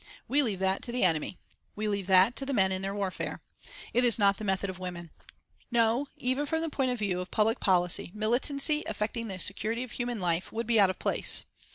We leave that to the enemy. We leave that to the men in their warfare. It is not the method of women. No, even from the point of view of public policy, militancy affecting the security of human life would be out of place.